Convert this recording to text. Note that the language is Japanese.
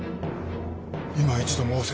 いま一度申せ。